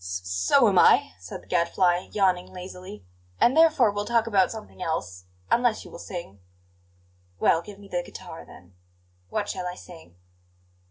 "S so am I," said the Gadfly, yawning lazily; "and therefore we'll talk about something else unless you will sing." "Well, give me the guitar, then. What shall I sing?"